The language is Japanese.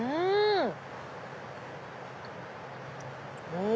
うん！